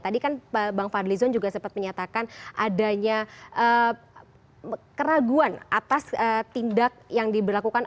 tadi kan bang fadlizon juga sempat menyatakan adanya keraguan atas tindak yang diberlakukan